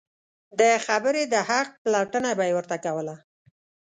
د خبرې د حق پلټنه به یې ورته کوله.